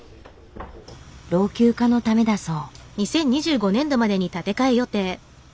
老朽化のためだそう。